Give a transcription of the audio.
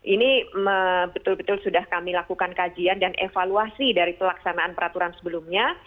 ini betul betul sudah kami lakukan kajian dan evaluasi dari pelaksanaan peraturan sebelumnya